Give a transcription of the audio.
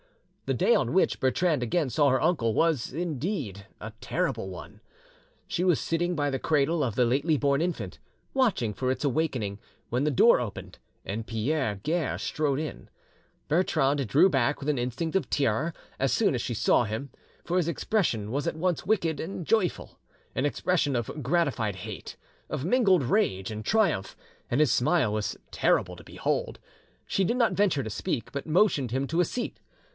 The day on which Bertrande again saw her uncle was, indeed, a terrible one. She was sitting by the cradle of the lately born infant, watching for its awakening, when the door opened, and Pierre Guerre strode in. Bertrande drew back with an instinct of terror as soon as she saw him, for his expression was at once wicked and joyful—an expression of gratified hate, of mingled rage and triumph, and his smile was terrible to behold. She did not venture to speak, but motioned him to a seat.